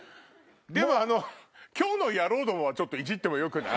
でもあの今日の野郎どもはちょっとイジってもよくない？